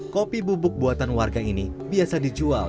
kopi bubuk buatan warga ini biasa dijual